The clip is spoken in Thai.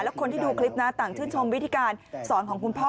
แล้วคนที่ดูคลิปนะต่างชื่นชมวิธีการสอนของคุณพ่อ